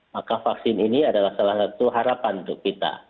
maka vaksin ini adalah salah satu harapan untuk kita